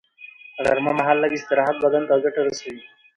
غرمه مهال لږ استراحت بدن ته ګټه رسوي